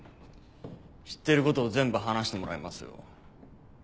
知ってることを全部話してもらいますよ。